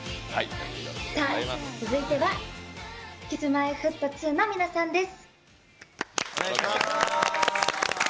続いてはＫｉｓ‐Ｍｙ‐Ｆｔ２の皆さんです。